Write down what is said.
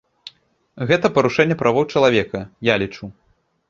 Гэта парушэнне правоў чалавека, я лічу.